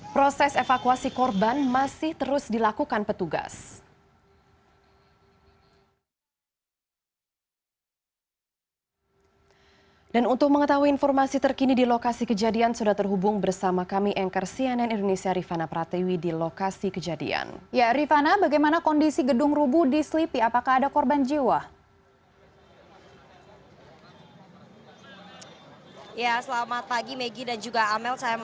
proses evakuasi korban masih terus dilakukan petugas